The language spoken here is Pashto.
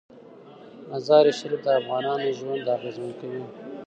مزارشریف د افغانانو ژوند اغېزمن کوي.